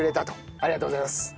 ありがとうございます。